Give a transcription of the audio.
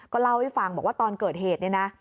เล่าให้ฟังบอกว่าตอนเกิดเหตุเนี่ยนะ